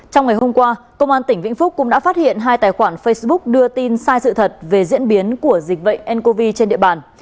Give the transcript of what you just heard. trong ngày hôm qua công an tỉnh vĩnh phúc cũng đã phát hiện hai tài khoản facebook đưa tin sai sự thật về diễn biến của dịch bệnh ncov trên địa bàn